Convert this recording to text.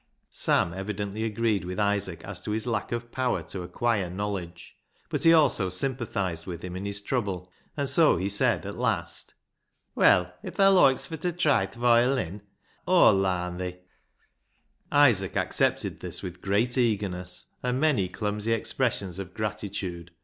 " Sam evidently agreed with Isaac as to his lack of power to acquire knowledge, but he also sympathised with him in his trouble, and so he said at last —" Well, if thaa loikes fur t' try th' voiolin, Aw'll larn thi." Isaac accepted this with great eagerness and many clumsy expressions of gratitude.